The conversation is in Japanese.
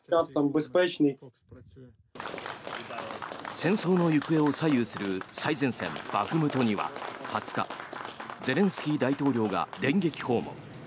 戦争の行方を左右する最前線、バフムトには２０日ゼレンスキー大統領が電撃訪問。